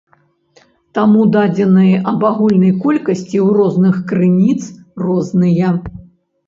Таму дадзеныя аб агульнай колькасці ў розных крыніц розныя.